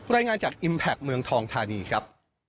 รายงานจากอิมแพคเมืองทองธานีครับ